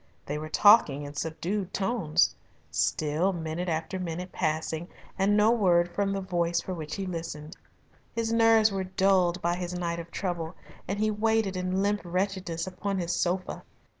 They were talking in subdued tones. Still minute after minute passing, and no word from the voice for which he listened. His nerves were dulled by his night of trouble, and he waited in limp wretchedness upon his sofa.